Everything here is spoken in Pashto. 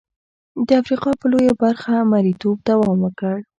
د افریقا په لویه برخه مریتوب دوام وکړ.